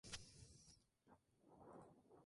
Comune di Castel Baronia